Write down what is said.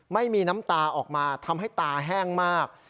ไม่มีน้ำตาออกมาทำให้ตาแห้งมาก